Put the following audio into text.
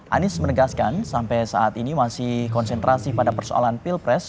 anies menegaskan sampai saat ini masih konsentrasi pada persoalan pilpres